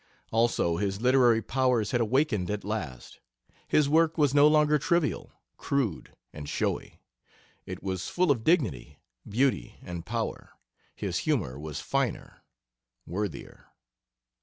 Also his literary powers had awakened at last. His work was no longer trivial, crude, and showy; it was full of dignity, beauty, and power; his humor was finer, worthier.